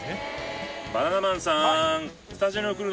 バナナマンさん！